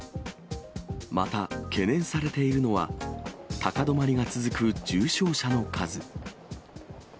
また、懸念されているのは、高止まりが続く重症者の数。